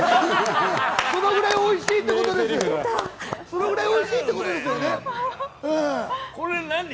それぐらいおいしいってことこれ何？